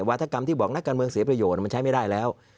วัฒกรรมที่บอกนักการเมืองเสียประโยชน์มันใช้ไม่ได้แล้ว